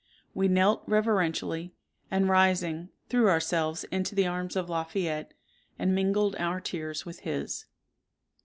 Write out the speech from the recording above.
We knelt reverentially, and rising, threw ourselves into the arms of Lafayette, and mingled our tears with his."